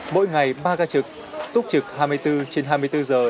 mỗi ngày ba ca trực túc trực hai mươi bốn trên hai mươi bốn giờ